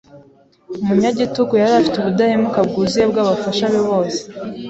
Umunyagitugu yari afite ubudahemuka bwuzuye bw'abafasha be bose.